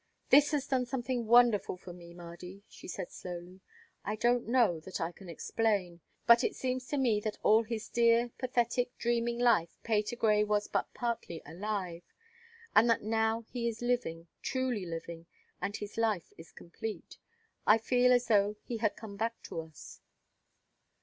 "This has done something wonderful for me, Mardy," she said, slowly. "I don't know that I can explain, but it seems to me that all his dear, pathetic, dreaming life Patergrey was but partly alive, and that now he is living, truly living, and his life is complete. I feel as though he had come back to us."